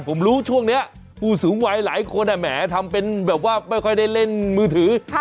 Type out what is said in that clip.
ผมรู้ช่วงนี้ผู้สูงวัยหลายคนแหมทำเป็นแบบว่าไม่ค่อยได้เล่นมือถือ